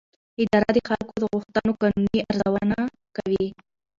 اداره د خلکو د غوښتنو قانوني ارزونه کوي.